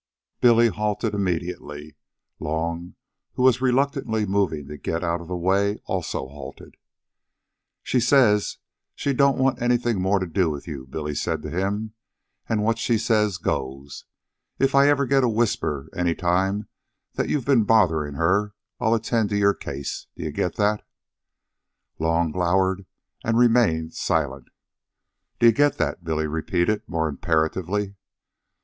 Billy halted immediately. Long, who was reluctantly moving to get out of the way, also halted. "She says she don't want anything more to do with you," Billy said to him. "An' what she says goes. If I get a whisper any time that you've been botherin' her, I'll attend to your case. D'ye get that?" Long glowered and remained silent. "D'ye get that?" Billy repeated, more imperatively.